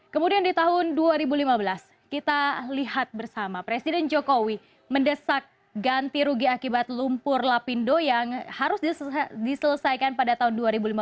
kemudian di tahun dua ribu lima belas kita lihat bersama presiden jokowi mendesak ganti rugi akibat lumpur lapindo yang harus diselesaikan pada tahun dua ribu lima belas